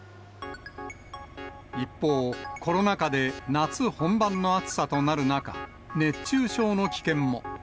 一方、コロナ禍で夏本番の暑さとなる中、熱中症の危険も。